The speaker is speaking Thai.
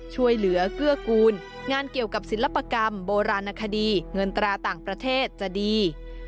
ช่วยเหลือเกื้อกูลงานเกี่ยวกับศิลปกรรมโบราณคดีเงินตราต่างประเทศจะดี